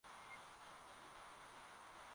Daktari alikufa